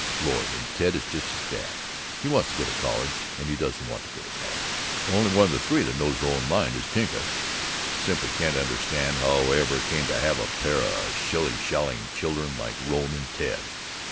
Lord, and Ted is just as bad! He wants to go to college, and he doesn't want to go to college. Only one of the three that knows her own mind is Tinka. Simply can't understand how I ever came to have a pair of shillyshallying children like Rone and Ted.